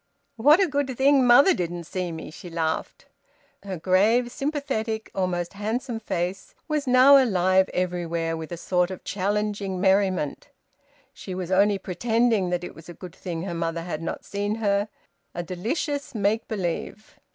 "What a good thing mother didn't see me!" she laughed. Her grave, sympathetic, almost handsome face was now alive everywhere with a sort of challenging merriment. She was only pretending that it was a good thing her mother had not seen her: a delicious make believe.